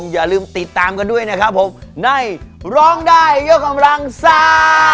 อย่าลืมติดตามกันด้วยนะครับผมในร้องได้ยกกำลังซ่า